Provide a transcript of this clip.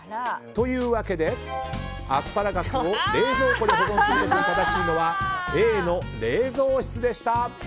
というわけでアスパラガスを冷蔵庫で保存する時に正しいのはＡの冷蔵室でした！